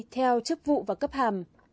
theo chức vụ và cấp hàm